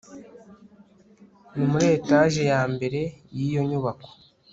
Ni muri etage ya mbere yiyo nyubako